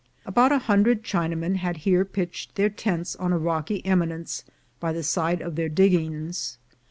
About a hundred Chinamen had here pitched their tents on a rocky eminence by the side of their diggings.